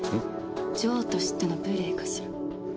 女王と知っての無礼かしら？